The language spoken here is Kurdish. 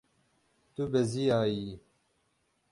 Tu beziyayî.